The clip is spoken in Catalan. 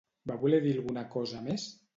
Va voler dir alguna cosa més?